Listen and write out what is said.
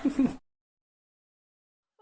แต่